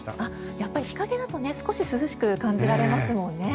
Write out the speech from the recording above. やっぱり日陰だと少し涼しく感じられますよね。